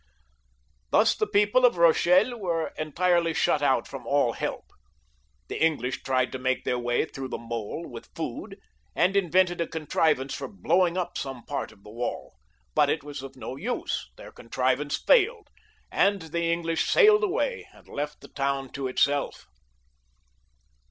Thus the people of Eochelle were entirely shut out from an help. The English tried to make' their way through the mole with food, and invented a contrivance for blowing up some part of the waU. ; but it was of no use, their contrivance failed, and the English sailed away and left the town to itself.